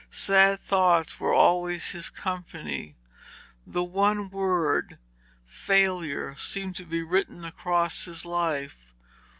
Sad thoughts were always his company. The one word 'failure' seemed to be written across his life.